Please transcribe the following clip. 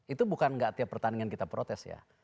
itu bukan nggak tiap pertandingan kita protes ya